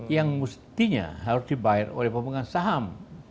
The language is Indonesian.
yang mestinya harus dibayar oleh pemegang saham